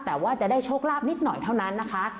แต่ว่าจะได้โชคลาภนิดหน่อยเท่านั้นนะคะ